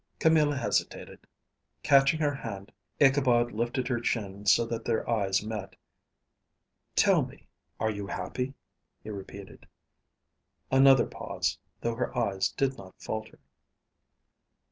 Camilla hesitated. Catching her hand, Ichabod lifted her chin so that their eyes met. "Tell me, are you happy?" he repeated. Another pause, though her eyes did not falter.